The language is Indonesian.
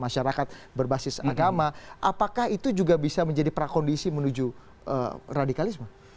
masyarakat berbasis agama apakah itu juga bisa menjadi prakondisi menuju radikalisme